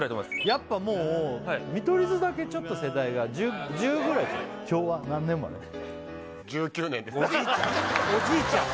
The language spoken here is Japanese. やっぱもう見取り図だけちょっと世代が１０ぐらい違うおじいちゃん